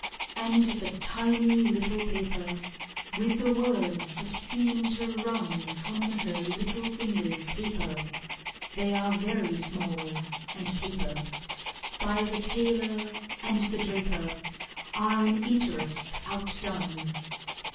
And the tiny little paper, With the words that seem to run From her little fingers taper (They are very small and taper), By the tailor and the draper Are in interest outdone.